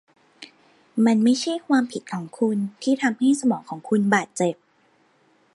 มันไม่ใช่ความผิดของคุณที่ทำให้สมองของคุณบาดเจ็บ